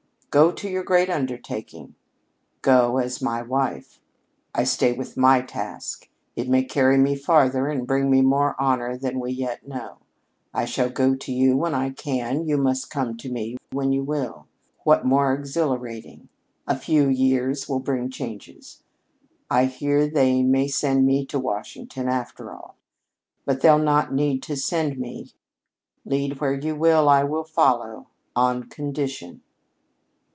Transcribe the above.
Go to your great undertaking. Go as my wife. I stay with my task. It may carry me farther and bring me more honor than we yet know. I shall go to you when I can: you must come to me when you will. What more exhilarating? A few years will bring changes. I hear they may send me to Washington, after all. But they'll not need to send me. Lead where you will, I will follow on condition!"